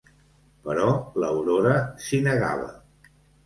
Però l'Aurora s'hi negava.